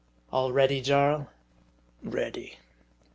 " All ready, Jarl ?" Ready."